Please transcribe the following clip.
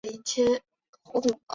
吴瑾率众力战而亡。